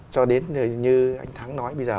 cho đến như anh thắng nói bây giờ